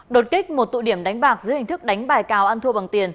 đột kích một tụ điểm đánh bạc dưới hình thức đánh bài cào ăn thua bằng tiền